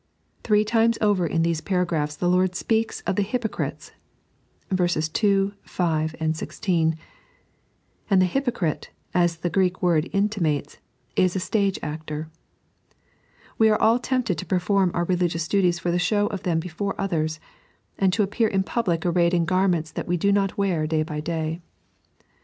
Three times over in these paragraphs the Lord speaks of the hypocrites (w. 2,8,16); and the hypocrite, as the Greek word intimates, is a stage actor. We are all tempted to perform oitt religious duties for the show of them before others, and to appear in public arrayed in garments that we do not wear day by day.